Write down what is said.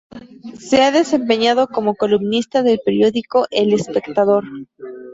Se ha desempeñado como columnista del periódico El Espectador.